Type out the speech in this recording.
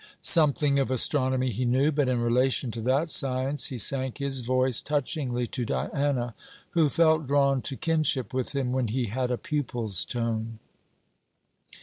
Something of astronomy he knew; but in relation to that science, he sank his voice, touchingly to Diana, who felt drawn to kinship with him when he had a pupil's tone.